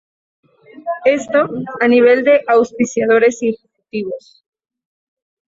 Esto, a nivel de auspiciadores y ejecutivos.